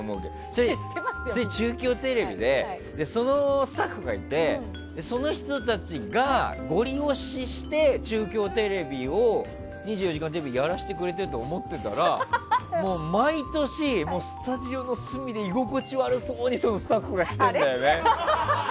それ中京テレビでそのスタッフがいてその人たちがごり押しして中京テレビを「２４時間テレビ」やらしてくれてると思ってたら、毎年スタジオの隅で居心地悪そうにスタッフがしているんだよね。